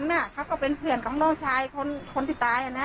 แล้วดาวรรณน่ะเขาก็เป็นเพื่อนของน้องชายคนคนที่ตายอ่ะน่ะ